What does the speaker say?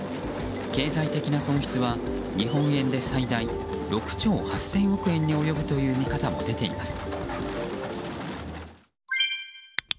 経済的な損失は日本円で最大６兆８０００億円に及ぶという見方も出ています。